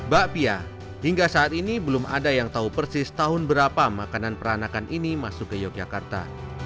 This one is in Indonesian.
bakpia hingga saat ini belum ada yang tahu persis tahun berapa makanan peranakan ini masuk ke yogyakarta